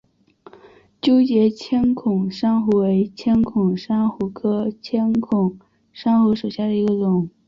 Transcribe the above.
纠结千孔珊瑚为千孔珊瑚科千孔珊瑚属下的一个种。